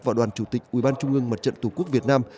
và đoàn chủ tịch ủy ban trung ương mặt trận tổ quốc việt nam